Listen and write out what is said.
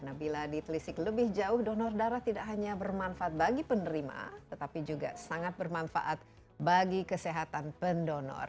nah bila ditelisik lebih jauh donor darah tidak hanya bermanfaat bagi penerima tetapi juga sangat bermanfaat bagi kesehatan pendonor